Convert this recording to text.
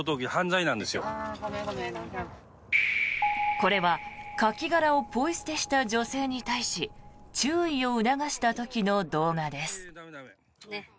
これはカキ殻をポイ捨てした女性に対し注意を促した時の動画です。